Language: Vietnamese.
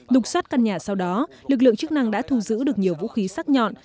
đục sát căn nhà sau đó lực lượng chức năng đã thu giữ được nhiều vũ khí sắc nhọn